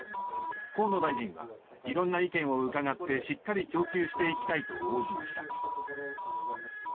河野大臣は色んな意見を伺ってしっかり供給していきたいと応じました。